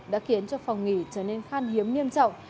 đã khiến cho phòng nghỉ trở nên khan hiếm nghiêm trọng